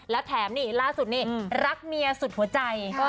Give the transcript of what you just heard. และแถมนี่ล่าสุดนี่รักเมียสุดหัวใจ